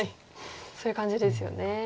そういう感じですよね。